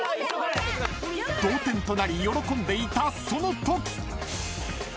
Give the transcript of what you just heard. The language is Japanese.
［同点となり喜んでいたそのとき］